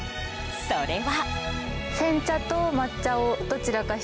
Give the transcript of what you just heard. それは。